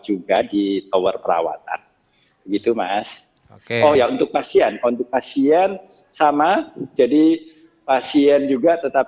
juga di tower perawatan begitu mas oh ya untuk pasien untuk pasien sama jadi pasien juga tetap